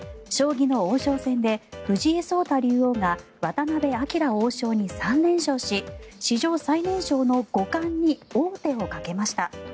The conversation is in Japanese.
将棋の王将戦で藤井聡太竜王が渡辺明王将に３連勝し史上最年少の五冠に王手をかけました。